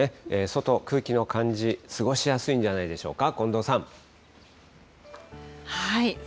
外、空気の感じ、過ごしやすいんじゃないでしょうか。